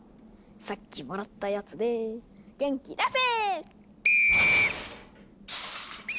さっきもらったやつで元気出せ！